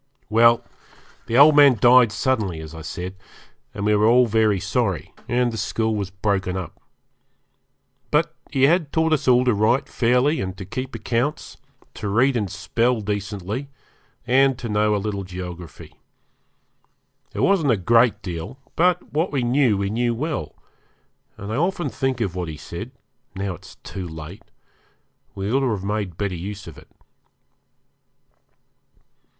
Well, the old man died suddenly, as I said, and we were all very sorry, and the school was broken up. But he had taught us all to write fairly and to keep accounts, to read and spell decently, and to know a little geography. It wasn't a great deal, but what we knew we knew well, and I often think of what he said, now it's too late, we ought to have made better use of it.